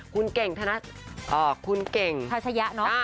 คุณเก่งคุณเก่งทัชยะเนาะ